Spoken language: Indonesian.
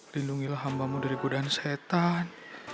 lindungilah hambamu dari kudan setan